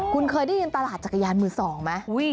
คุณเคยได้ยินตลาดจักรยานมือสองไหม